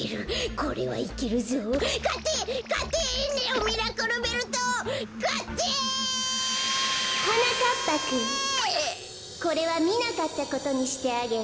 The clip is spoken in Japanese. これはみなかったことにしてあげる。